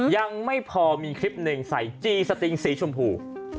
ยังไม่พอมีคลิปหนึ่งใส่จีสติงสีชมพู